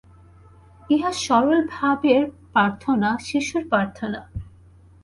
ইহা সরল ভাবের প্রার্থনা, শিশুর প্রার্থনা।